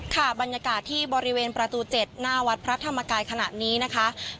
ค่ะบรรยากาศที่บริเวณประตู๗หน้าวัดพระธรรมกายขนาดนี้นะคะ